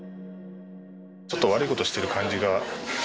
ちょっと悪いことしてる感じが。